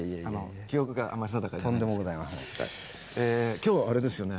今日あれですよね